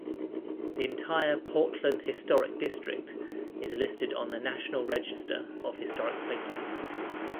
The entire Portland Historic District is listed on the National Register of Historic Places.